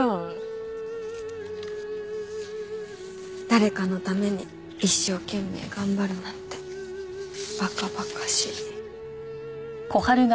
誰かのために一生懸命頑張るなんて馬鹿馬鹿しい。